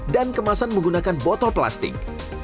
dan kemasan menggunakan botol plastik